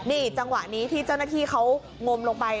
นี่จังหวะนี้ที่เจ้าหน้าที่เขางมลงไป